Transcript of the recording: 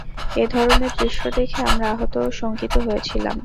এ ধরনের দৃশ্য দেখে আমরা আহত ও শঙ্কিত হয়েছিলাম।